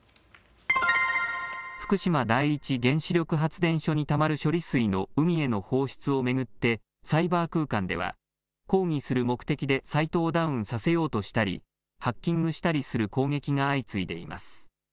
福島第一原子力発電所にたまる処理水の海への放出を巡ってサイバー空間では抗議する目的でサイトをダウンさせようとしたりハッキングしたりする攻撃が相次いでいます。